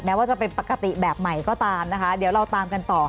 ว่าจะเป็นปกติแบบใหม่ก็ตามนะคะเดี๋ยวเราตามกันต่อ